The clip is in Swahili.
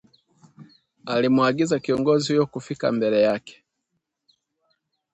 alimuagiza kiongozi huyo kufika mbele yake